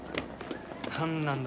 ・何なんだ？